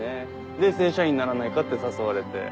で正社員にならないかって誘われて。